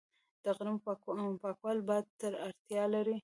د غنمو پاکول باد ته اړتیا لري.